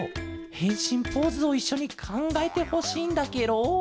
へんしんポーズをいっしょにかんがえてほしいんだケロ。